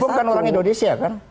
jadi bukan orang indonesia kan